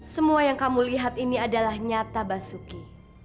semua yang kamu lihat ini adalah nyata basuki